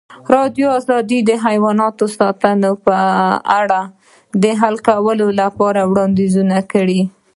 ازادي راډیو د حیوان ساتنه په اړه د حل کولو لپاره وړاندیزونه کړي.